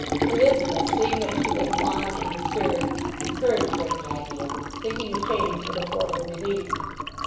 Elizabeth, seeing that she looked wan and disturbed, encouraged her in the idea, thinking a change would afford her relief.